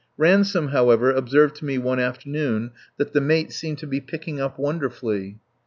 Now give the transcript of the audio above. Ransome, however, observed to me one afternoon that the mate "seemed to be picking up wonderfully."